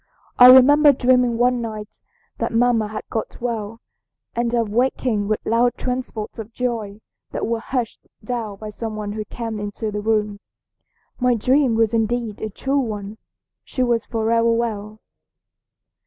I remember dreaming one night that mamma had got well, and of waking with loud transports of joy that were hushed down by some one who came into the room. My dream was indeed a true one. She was forever well.